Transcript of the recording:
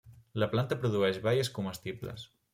La planta produeix baies comestibles.